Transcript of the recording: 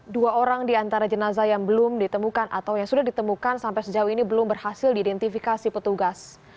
dua orang di antara jenazah yang belum ditemukan atau yang sudah ditemukan sampai sejauh ini belum berhasil diidentifikasi petugas